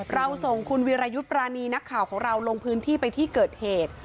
เราส่งคุณวิรายุทธ์ปรานีนักข่าวของเราลงพื้นที่ไปที่เกิดเหตุ